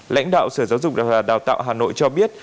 lãnh đạo sở giáo dục đào tạo hà nội cho biết